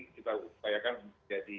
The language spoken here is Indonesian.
kita upayakan menjadi